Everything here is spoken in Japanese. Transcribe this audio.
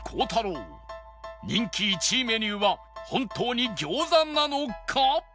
人気１位メニューは本当に餃子なのか？